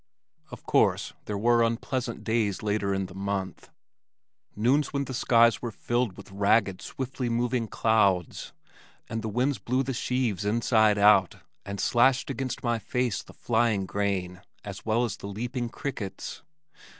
Of course, there were unpleasant days later in the month, noons when the skies were filled with ragged, swiftly moving clouds, and the winds blew the sheaves inside out and slashed against my face the flying grain as well as the leaping crickets.